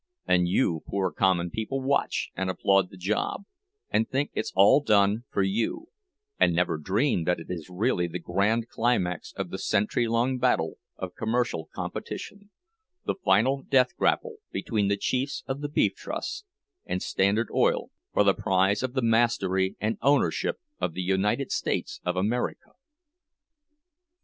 And you poor common people watch and applaud the job, and think it's all done for you, and never dream that it is really the grand climax of the century long battle of commercial competition—the final death grapple between the chiefs of the Beef Trust and 'Standard Oil,' for the prize of the mastery and ownership of the United States of America!"